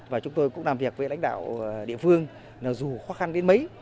và chúng tôi cũng làm việc với lãnh đạo địa phương là dù khó khăn đến mấy